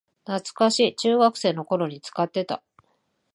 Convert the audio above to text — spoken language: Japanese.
懐かしい、中学生の頃に使ってた